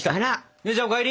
姉ちゃんお帰り！